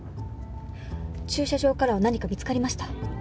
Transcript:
駐車場からは何か見つかりました？